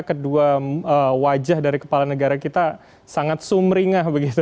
kedua wajah dari kepala negara kita sangat sumringah begitu